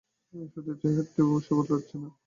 এই সুদের হারটি অবশ্য বদলাচ্ছে না।